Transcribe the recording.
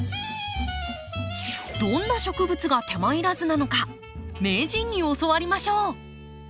どんな植物が手間いらずなのか名人に教わりましょう。